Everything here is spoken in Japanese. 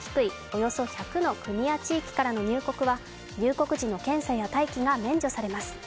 およそ１００の国や地域からの入国は入国時の検査や待機は免除されます。